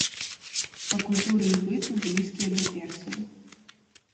Па культуры і быту блізкія да персаў.